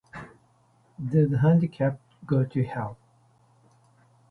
Do the Handicapped Go to Hell?